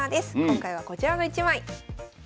今回はこちらの１枚。